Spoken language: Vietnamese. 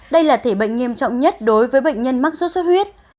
đây là thể bệnh nghiêm trọng nhất đối với bệnh nhân mắc suốt huyết